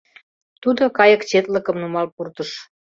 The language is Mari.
Тудо кайык четлыкым нумал пуртыш.